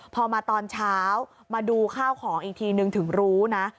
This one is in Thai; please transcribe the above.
พอมาตอนเช้ามาดูข้าวของอีกทีนึงถึงรู้นะ